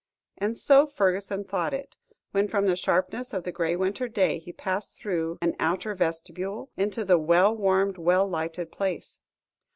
And so Fergusson thought it, when from the sharpness of the grey winter day, he passed through an outer vestibule, into the well warmed, well lighted place.